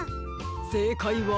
せいかいは。